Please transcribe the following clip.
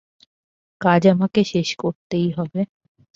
কাজ আমাকে শেষ করতেই হবে।